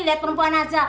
liat perempuan aja